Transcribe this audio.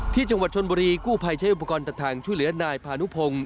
ที่จังหวัดชนบุรีกู้ภัยใช้อุปกรณ์ตัดทางช่วยเหลือนายพานุพงศ์